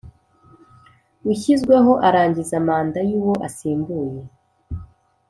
Ushyizweho arangiza manda y uwo asimbuye